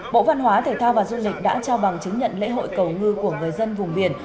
bộ văn hóa thể thao và du lịch đã trao bằng chứng nhận lễ hội cầu ngư của người dân vùng biển